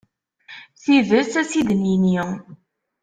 Tidet, ad tt-id-nini.